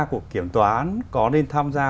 của kiểm toán có nên tham gia